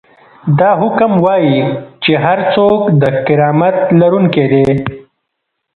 دا حکم وايي چې هر څوک د کرامت لرونکی دی.